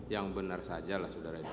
yang benar saja lah saudara itu